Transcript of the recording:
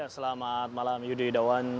selamat malam yudhoy dawan